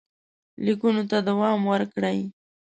لیکونو ته دوام ورکړئ.